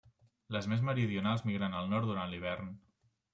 Les més meridionals migren al nord durant l'hivern.